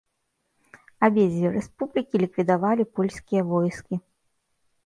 Абедзве рэспублікі ліквідавалі польскія войскі.